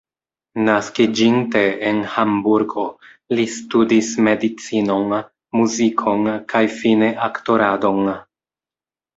Naskiĝinte en Hamburgo, li studis medicinon, muzikon kaj fine aktoradon.